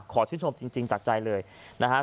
ขอชื่นชมจริงจากใจเลยนะคะ